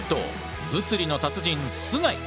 物理の達人須貝！